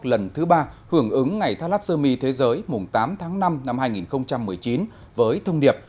lần thứ ba hưởng ứng ngày thalassomy thế giới mùng tám tháng năm năm hai nghìn một mươi chín với thông điệp